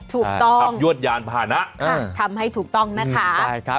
ถูกต้องทำยวดยานพานะทำให้ถูกต้องนะคะ